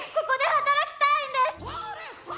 ここで働きたいんです！